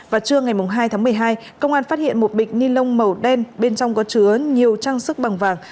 trưa ngày hai tháng một mươi hai công an phát hiện một bịch nilon màu đen bên trong có chứa nhiều trang sức bằng vàng